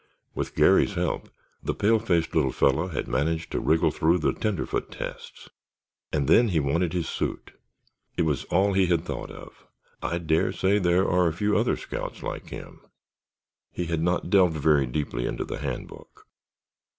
With Garry's help, the pale faced little fellow had managed to wriggle through the tenderfoot tests, and then he wanted his suit. It was all he had thought of. I dare say there are a few other scouts like him. He had not delved very deeply into the Handbook.